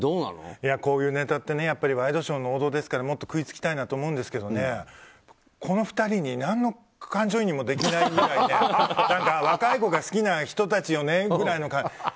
こういうネタってワイドショーの王道ですからもっと食いつきたいなと思うんですがこの２人に何の感情移入もできないぐらい若い子が好きな人たちよねぐらいの。